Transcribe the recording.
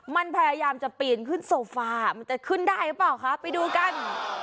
มันพยายามจะปีนขึ้นโซฟามันจะขึ้นได้หรือเปล่าคะไปดูกัน